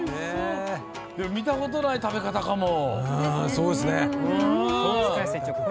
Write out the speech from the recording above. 見たことない、食べ方かも。